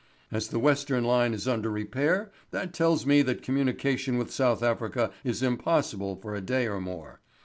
As the Western line is under repair that tells me that communication with South Africa is impossible for a day or more.